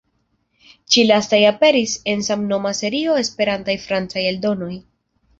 Ĉi-lastaj aperis en samnoma serio "Esperantaj francaj eldonoj".